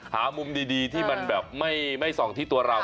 หามุมดีที่มันแบบไม่ส่องที่ตัวเรา